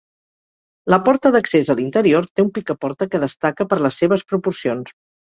La porta d'accés a l'interior té un picaporta que destaca per les seves proporcions.